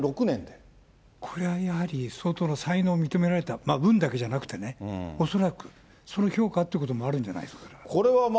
これはやはり、相当の才能を認められた、運だけじゃなくてね、恐らく、その評価ということもあるんじゃないですか、これは。